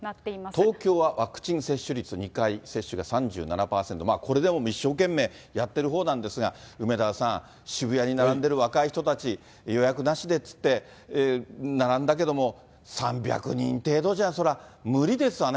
東京はワクチン接種率、２回接種が３７％、これでも一生懸命やってるほうなんですが、梅沢さん、渋谷に並んでいる若い人たち、予約なしでっていって並んだけども、３００人程度じゃそりゃ無理ですわね。